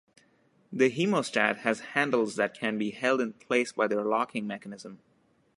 The hemostat has handles that can be held in place by their locking mechanism.